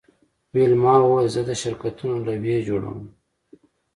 ویلما وویل زه د شرکتونو لوحې جوړوم